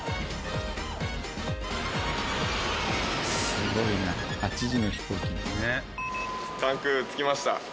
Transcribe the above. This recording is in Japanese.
すごいな８時の飛行機に関空着きました